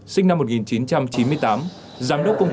sinh năm một nghìn chín trăm chín mươi tám